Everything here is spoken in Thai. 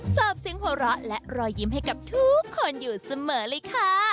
เสียงหัวเราะและรอยยิ้มให้กับทุกคนอยู่เสมอเลยค่ะ